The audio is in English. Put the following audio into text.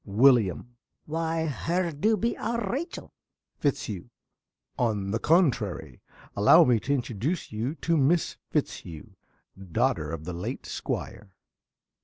~Willyum.~ Why, her du be our Rachel. ~Fitzhugh.~ On the contrary, allow me to introduce you to Miss Fitzhugh, daughter of the late Squire!